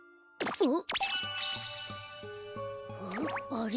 あれ？